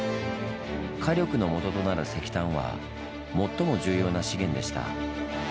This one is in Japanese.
火力の元となる石炭は最も重要な資源でした。